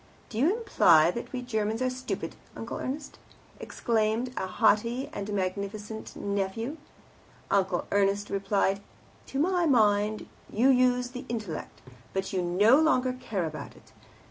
"Do you imply that we Germans are stupid, Uncle Ernst?" exclaimed a haughty and magnificent nephew. Uncle Ernst replied, "To my mind. You use the intellect, but you no longer care about it.